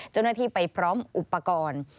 เจ้าหน้าที่ไปพร้อมอุปกรณ์